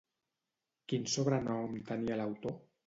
Quin sobrenom tenia l'autor?